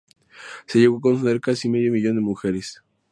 Se llegó a conceder a casi medio millón de mujeres.